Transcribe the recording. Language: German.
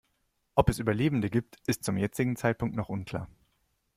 Ob es Überlebende gibt, ist zum jetzigen Zeitpunkt noch unklar.